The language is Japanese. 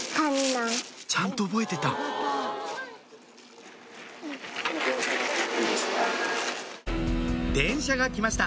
ちゃんと覚えてた電車が来ました